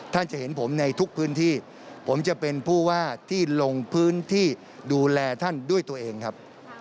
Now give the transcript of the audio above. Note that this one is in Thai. ท่านจะเห็นผมในทุกพื้นที่ผมจะเป็นผู้ว่าที่ลงพื้นที่ดูแลท่านด้วยตัวเองครับ